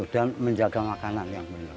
dan menjaga makanan yang benar